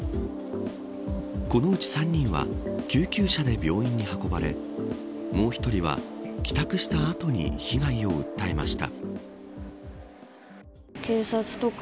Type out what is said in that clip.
このうち３人は救急車で病院に運ばれもう１人は帰宅した後に被害を訴えました。